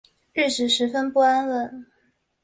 日子十分不安稳